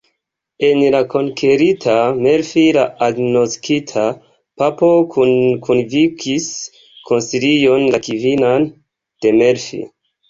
En la konkerita Melfi la agnoskita papo kunvokis koncilion, la kvinan de Melfi.